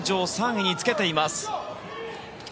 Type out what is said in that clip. ３位につけています。